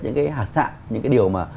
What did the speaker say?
những cái hạt sạng những cái điều mà